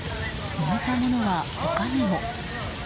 燃えたものは他にも。